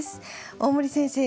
大森先生